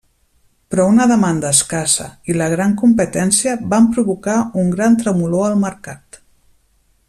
Però una demanda escassa i la gran competència van provocar un gran tremolor al mercat.